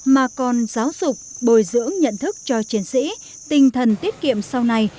mà còn giáo dục bồi dưỡng nhận thức cho chiến sĩ tinh thần tiết kiệm sau này